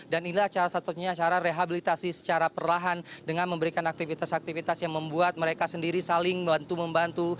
dan inilah salah satunya cara rehabilitasi secara perlahan dengan memberikan aktivitas aktivitas yang membuat mereka sendiri saling membantu membantu